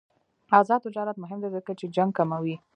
آزاد تجارت مهم دی ځکه چې جنګ کموي.